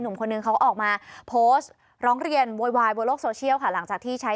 คนหนึ่งเขาออกมาโพสต์ร้องเรียนโวยวายบนโลกโซเชียลค่ะหลังจากที่ใช้